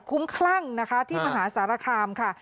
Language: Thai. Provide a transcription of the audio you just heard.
คุ้มคลั่งนะคะที่มหาสารคามค่ะ